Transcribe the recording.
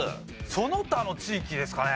その他の地域ですかね？